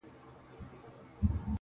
که څه هم د نثر په برخه کي